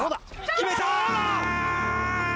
決めた。